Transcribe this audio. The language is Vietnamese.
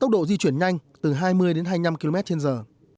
di chuyển nhanh từ hai mươi đến hai mươi năm km trên giờ